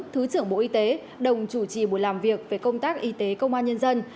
thứ trưởng bộ y tế đồng chủ trì buổi làm việc về công tác y tế công an nhân dân